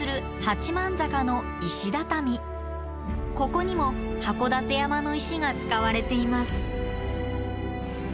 ここにも函館山の石が使われています。